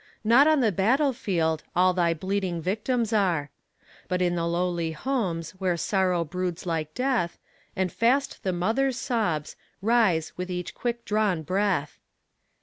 Not on the battle field, All thy bleeding victims are; But in the lowly homes Where sorrow broods like death, And fast the mother's sobs Rise with each quick drawn breath.